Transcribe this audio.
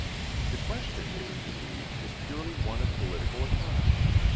The question, it is believed, is purely one of political economy.